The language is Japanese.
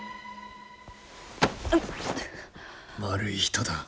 悪い人だ。